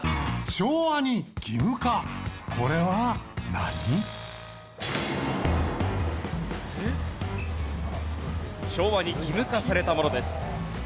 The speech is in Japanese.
昭和に義務化されたものです。